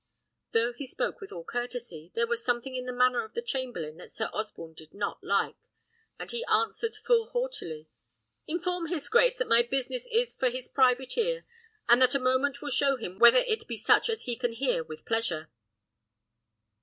Though he spoke with all courtesy, there was something in the manner of the chamberlain that Sir Osborne did not like; and he answered full haughtily "Inform his grace that my business is for his private ear, and that a moment will show him whether it be such as he can hear with pleasure."